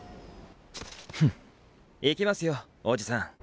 フン行きますよおじさん。